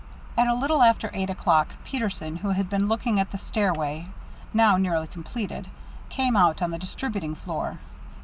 At a little after eight o'clock, Peterson, who had been looking at the stairway, now nearly completed, came out on the distributing floor.